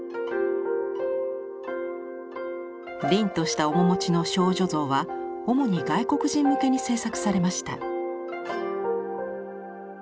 凛とした面持ちの少女像は主に外国人向けに制作されました。